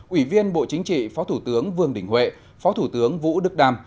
ủy viên bộ chính trị phó thủ tướng vương đình huệ phó thủ tướng vũ đức đam